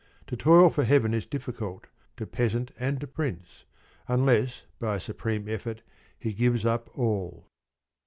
To toil for heaven is difficult to peasant and to prince, unless by a supreme effort he gives up all.